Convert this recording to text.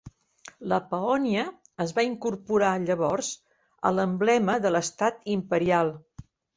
La Pahònia es va incorporar llavors a l'emblema de l'estat imperial.